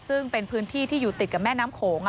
ซึ่งเป็นพื้นที่ที่อยู่ติดกับแม่น้ำโขง